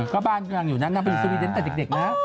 ก็บ้านอยู่นั่นนะเป็นสวีเดนตั้งแต่เด็ก